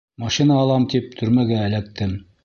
Машина алам тип, төрмәгә эләктем.